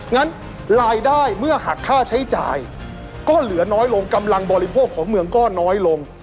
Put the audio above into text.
งั้นรายได้เมื่อหักค่าใช้จ่ายก็เหลือน้อยลงกำลังบริโภคของเมืองก็น้อยลง